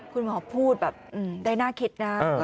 คุณหมอพูดแบบได้น่าคิดนะ